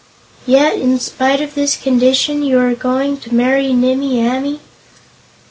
"Yet, in spite of this condition, you were going to marry Nimmie Amee?"